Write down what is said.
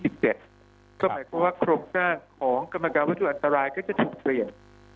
เพราะว่าครบหน้าของกรรมการวัตถุอันตรายก็จะถูกเปลี่ยน